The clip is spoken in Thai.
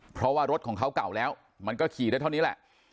เพราะว่ารถของเขาเก่าแล้วมันก็ขี่ได้เท่านี้แหละ